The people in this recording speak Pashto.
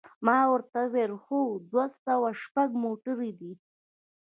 ما ورته وویل: هو، دوه سوه شپږ موټر دی.